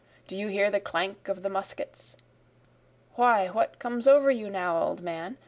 Do you hear the clank of the muskets? Why what comes over you now old man?